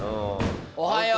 おはよう！